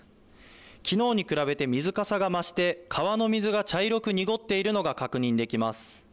きのうに比べて水かさが増して、川の水が茶色く濁っているのが確認できます。